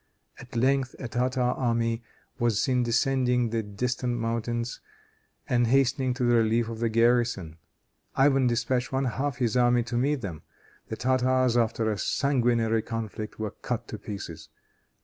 At length a Tartar army was seen descending the distant mountains and hastening to the relief of the garrison. Ivan dispatched one half his army to meet them. The Tartars, after a sanguinary conflict, were cut to pieces.